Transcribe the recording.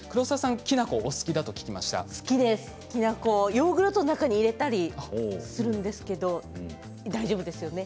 ヨーグルトの中に入れたりするんですけど大丈夫ですよね？